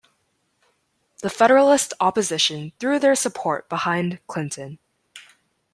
The Federalist opposition threw their support behind Clinton.